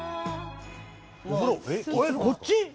こっち？